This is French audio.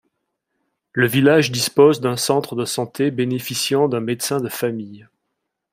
Le village dispose d'un centre de santé, bénéficiant d'un médecin de famille.